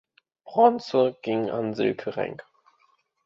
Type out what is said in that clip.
Bronze ging an Silke Renk.